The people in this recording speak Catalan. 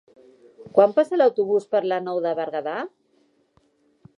Quan passa l'autobús per la Nou de Berguedà?